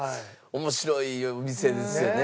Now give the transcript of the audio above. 面白いお店ですよね。